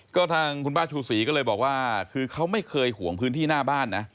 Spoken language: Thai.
ก็ทางคุณป้าชูศรีก็เลยบอกว่าคือเขาไม่เคยห่วงพื้นที่หน้าบ้านนะ